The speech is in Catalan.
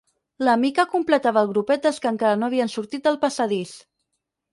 La Mica completava el grupet dels que encara no havien sortit del passadís.